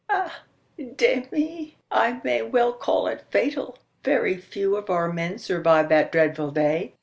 Ay de mi_! I may well call it fatal. Very few of our men survived that dreadful day.